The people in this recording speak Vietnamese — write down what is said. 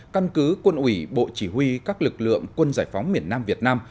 căn cứ quân ủy bộ chỉ huy các lực lượng quân giải phóng miền nam việt nam